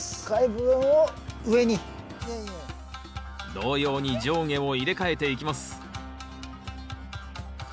同様に上下を入れ替えていきます